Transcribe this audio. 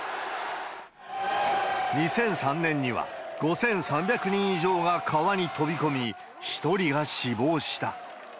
２００３年には、５３００人以上が川に飛び込み、１人が死亡した。